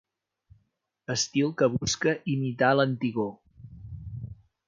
Estil que busca imitar l'antigor.